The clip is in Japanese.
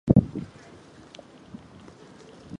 千葉県大網白里市